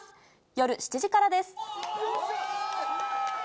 夜７時からです。